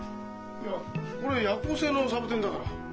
いやこれ夜行性のサボテンだから。